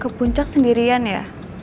kepuncak sendirian ya